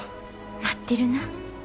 待ってるな。